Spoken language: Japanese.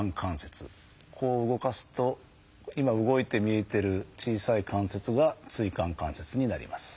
こう動かすと今動いて見えてる小さい関節が椎間関節になります。